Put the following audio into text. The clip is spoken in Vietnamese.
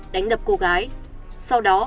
đánh đập cô gái sau đó